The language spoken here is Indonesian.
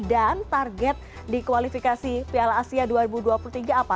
dan target dikualifikasi piala asia dua ribu dua puluh tiga apa